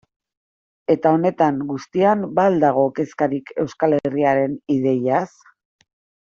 Eta honetan guztian ba al dago kezkarik Euskal Herriaren ideiaz?